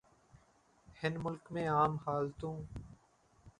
هن ملڪ ۾ عام حالتون.